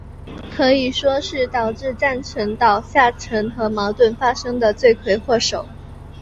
可以说是导致战神岛下沉和矛盾发生的罪魁祸首。